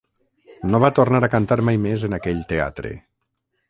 No va tornar a cantar mai més en aquell teatre.